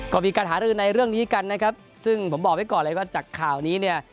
ก็มีการหารือในเรื่องนี้กันนะครับซึ่งผมบอกไว้ก่อนเลยว่าจากข่าวนี้เนี่ย